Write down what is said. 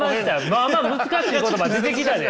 まあまあ難しい言葉出てきたで。